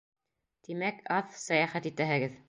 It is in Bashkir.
— Тимәк, аҙ сәйәхәт итәһегеҙ.